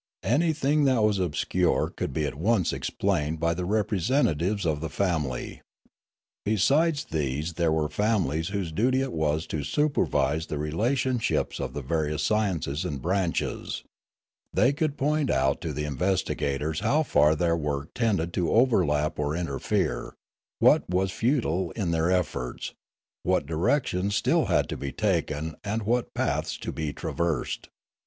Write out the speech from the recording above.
Anything that was obscure could 78 Limanora be at once explained by the representatives of the family. Besides these there were families whose duty it was to supervise the relationships of the various sciences and branches; they could point out to the investigators how far their work tended to overlap or interfere, what was futile in their efforts, what directions had still to be taken and what paths to be traversed.